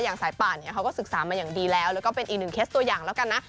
สายป่านเนี่ยเขาก็ศึกษามาอย่างดีแล้วแล้วก็เป็นอีกหนึ่งเคสตัวอย่างแล้วกันนะ